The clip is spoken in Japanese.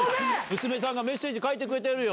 娘さんがメッセージ、書いてくれてるよ。